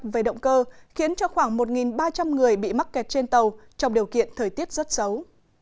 về động cơ khiến cho khoảng một ba trăm linh người bị mắc kẹt trên tàu trong điều kiện thời tiết rất xấu